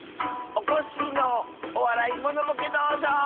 おこっしぃの「おわらいモノボケどうじょう」！